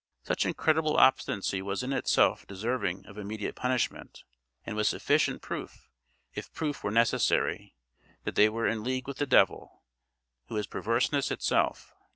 Such incredible obstinacy was in itself deserving of immediate punishment, and was sufficient proof, if proof were necessary, that they were in league with the devil, who is perverseness itself.